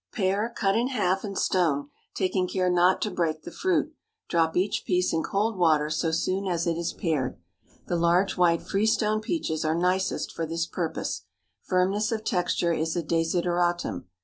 ✠ Pare, cut in half and stone, taking care not to break the fruit; drop each piece in cold water so soon as it is pared. The large, white freestone peaches are nicest for this purpose. Firmness of texture is a desideratum.